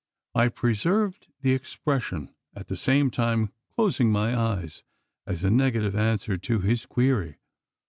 I preserved the expression at the same time closing my eyes, as a negative answer to his query.